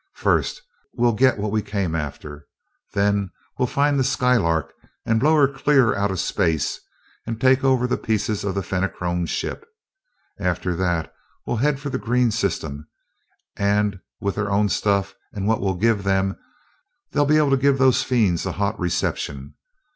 First, we'll get what we came after. Then we'll find the Skylark and blow her clear out of space, and take over the pieces of that Fenachrone ship. After that we'll head for the green system, and with their own stuff and what we'll give them, they'll be able to give those fiends a hot reception.